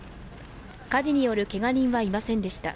火事によるけが人はいませんでした。